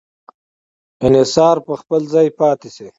انحصار په خپل ځای پاتې شي.